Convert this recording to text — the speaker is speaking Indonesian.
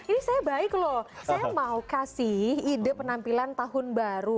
ini saya baik loh saya mau kasih ide penampilan tahun baru